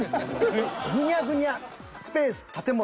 グニャグニャスペース建物。